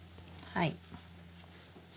はい。